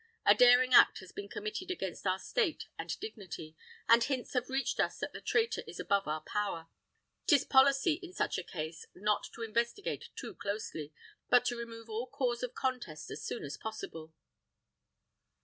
A daring act has been committed against our state and dignity, and hints have reached us that the traitor is above our power. 'Tis policy, in such a case, not to investigate too closely, but to remove all cause of contest as soon as possible."